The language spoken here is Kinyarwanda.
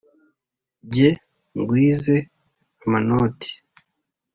jye ngwize amanoti